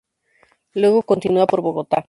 Luego continúa por Bogotá.